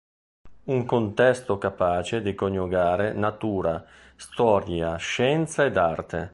Un contesto capace di coniugare natura, storia, scienza ed arte.